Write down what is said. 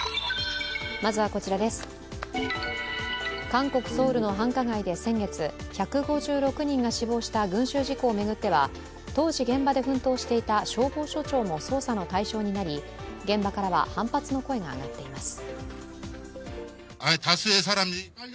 韓国ソウルの繁華街で先月、１５６人が死亡した群集事故を巡っては、当時、現場で奮闘していた消防署長も捜査の対象になり現場からは反発の声が上がっています。